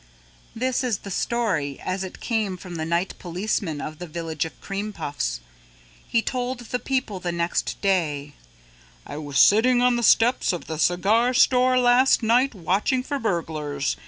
This is the story as it came from the night policeman of the Village of Cream Puffs. He told the people the next day, "I was sitting on the steps of the cigar store last night watching for burglars.